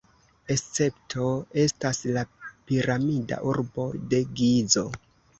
Escepto estas la piramida urbo de Gizo.